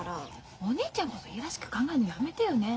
お姉ちゃんこそ嫌らしく考えるのやめてよね。